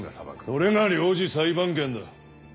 それが領事裁判権だ。